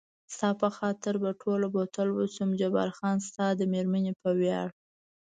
ستا په خاطر به ټوله بوتل وڅښم، جبار خان ستا د مېرمنې په ویاړ.